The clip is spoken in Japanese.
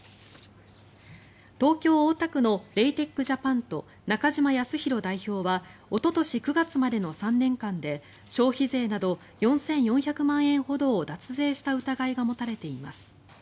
東京・大田区のレイテック・ジャパンと中嶋靖浩代表はおととし９月までの３年間で消費税など４４００万円ほどを脱税した疑いが持たれています。